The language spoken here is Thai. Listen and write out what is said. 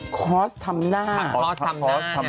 คอสทำหน้า